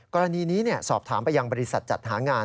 กรณีนี้สอบถามไปยังบริษัทจัดหางาน